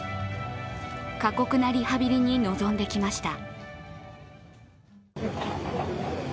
過酷なリハビリに臨んできました。